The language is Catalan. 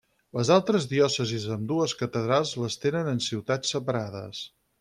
Les altres diòcesis amb dues catedrals les tenen en ciutats separades.